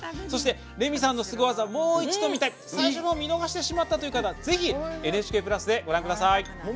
そして、レミさんのすご技をもう一度見たい最初のほう見逃してしまった方はぜひ、「ＮＨＫプラス」でご覧ください。